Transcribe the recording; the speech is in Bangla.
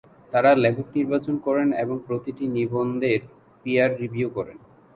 তারা লেখক নির্বাচন করেন এবং প্রতিটি নিবন্ধের পিয়ার রিভিউ করেন।